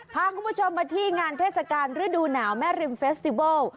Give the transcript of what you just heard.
พาคุณผู้ชมมาที่งานเทศกาลฤดูหนาวแม่ริมเฟสติเวิล